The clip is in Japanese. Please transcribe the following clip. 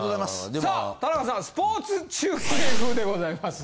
さあ田中さんスポーツ中継風でございます。